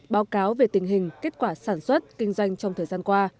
báo cáo về tình hình kết quả sản xuất kinh doanh trong thời gian qua